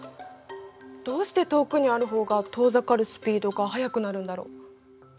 どうして遠くにある方が遠ざかるスピードが速くなるんだろう？